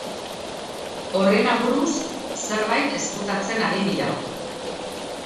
Horren aburuz, zerbait ezkutatzen ari dira.